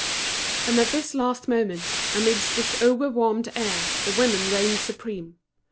And at this last moment, amidst this over warmed air, the women reigned supreme.